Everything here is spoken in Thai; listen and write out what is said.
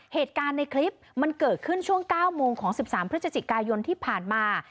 เหตุการณ์ในคลิปมันเกิดขึ้นช่วง๙โมงของ๑๓พฤศจิกายนที่ผ่านมา